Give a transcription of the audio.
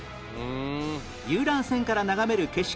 遊覧船から眺める景色